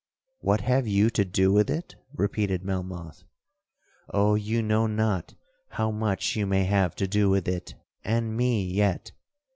'—'What have you to do with it?' repeated Melmoth; 'Oh, you know not how much you may have to do with it and me yet!